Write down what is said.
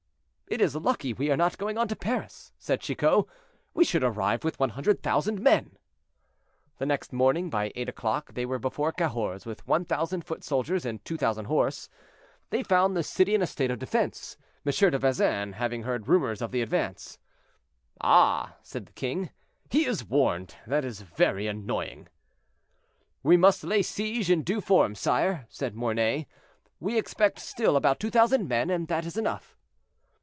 "It is lucky we are not going on to Paris," said Chicot, "we should arrive with 100,000 men." The next morning, by eight o'clock, they were before Cahors, with 1,000 foot soldiers and 2,000 horse. They found the city in a state of defense, M. de Vezin having heard rumors of the advance. "Ah!" said the king, "he is warned; that is very annoying." "We must lay siege in due form, sire," said Mornay; "we expect still about 2,000 men, and that is enough."